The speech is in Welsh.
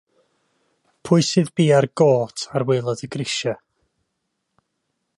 Pwy sydd bia'r gôt ar waelod y grisia?